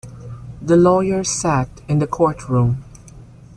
The lawyer sat in the courtroom.